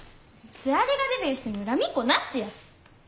誰がデビューしても恨みっこなしや。